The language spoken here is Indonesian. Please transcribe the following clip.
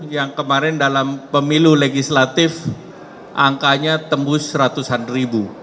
yang kemarin dalam pemilu legislatif angkanya tembus ratusan ribu